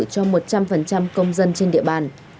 cho một trăm linh công dân trên địa bàn